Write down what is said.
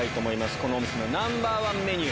このお店のナンバー１メニュー。